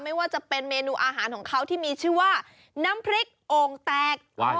ไม่ว่าจะเป็นเมนูอาหารของเขาที่มีชื่อว่าน้ำพริกโอ่งแตก